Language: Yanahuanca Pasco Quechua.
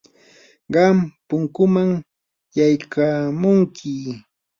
qam punkupam yaykamunki.